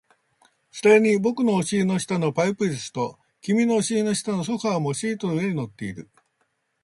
それに僕のお尻の下のパイプ椅子と、君のお尻の下のソファーもシートの上に乗っている